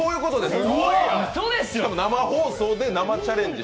しかも生放送で生チャレンジ。